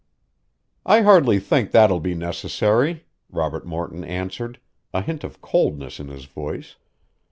"I hardly think that will be necessary," Robert Morton answered, a hint of coldness in his voice.